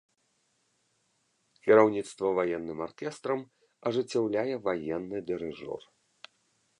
Кіраўніцтва ваенным аркестрам ажыццяўляе ваенны дырыжор.